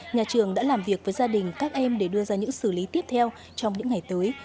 nhà trường đã làm việc với gia đình các em để đưa ra những xử lý tiếp theo trong những ngày tới